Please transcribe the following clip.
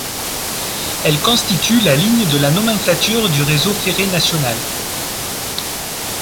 Elle constitue la ligne de la nomenclature du réseau ferré national.